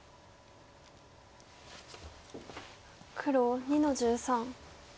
黒２の十三。